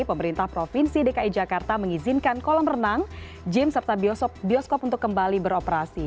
pemerintah provinsi dki jakarta mengizinkan kolam renang gym serta bioskop untuk kembali beroperasi